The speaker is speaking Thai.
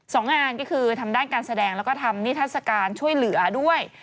สองงานก็คือทำด้านการแสดงแล้วก็ทำนิทัศกาลช่วยเหลือด้วย